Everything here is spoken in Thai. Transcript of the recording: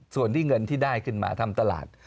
ส่วนที่เงินที่ได้ขึ้นมาทำตลาด